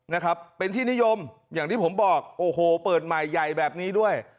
นะครับเป็นที่นิยมอย่างที่ผมบอกโอ้โหเปิดใหม่ใหญ่แบบนี้ด้วย